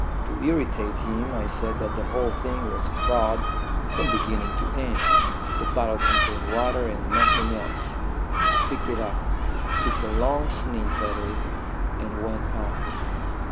To irritate him I said that the whole thing was a fraud from beginning to end; the bottle contained water, and nothing else. I picked it up, took a long sniff at it, and went out.